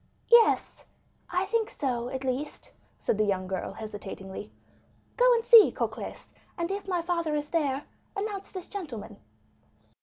"Yes; I think so, at least," said the young girl hesitatingly. "Go and see, Cocles, and if my father is there, announce this gentleman."